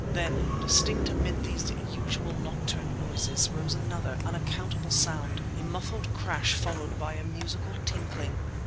Then, distinct amid these usual nocturnal noises, rose another, unaccountable sound, a muffled crash followed by a musical tinkling.